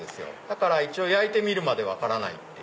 だから焼いてみるまで分からない。